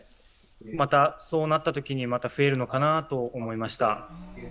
またそうなったときにまた増えるのかなと思いました。